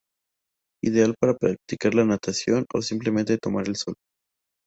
Ideal para practicar la natación, o simplemente tomar el sol.